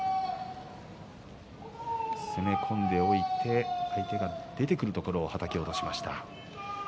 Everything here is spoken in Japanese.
攻め込んでおいて相手が出てくるところをはたき落としました。